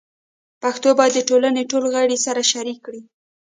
پښتو باید د ټولنې ټول غړي سره شریک کړي.